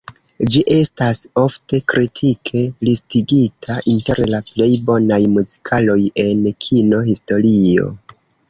Ĝi estas ofte kritike listigita inter la plej bonaj muzikaloj en kino-historio.